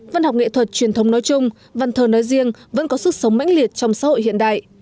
văn học nghệ thuật truyền thống nói chung văn thờ nói riêng vẫn có sức sống mãnh liệt trong xã hội hiện đại